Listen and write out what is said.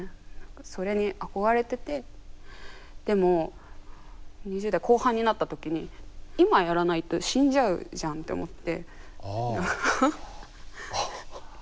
それに憧れててでも２０代後半になった時に今やらないと死んじゃうじゃんって思って。